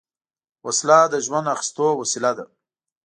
وسله د ژوند اخیستو وسیله ده